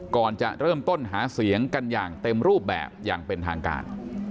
ก่อนจะเริ่มต้นหาเสียงกันอย่างเต็มรูปแบบอย่างเป็นทางการ